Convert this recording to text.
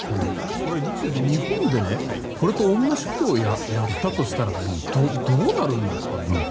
二木先生、日本でこれと同じことをやったとしたらどうなるんですか。